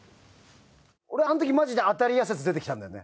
俺あの時マジで当たり屋説出てきたんだよね。